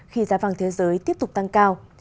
khi giá vàng thế giới tiếp tục tăng cao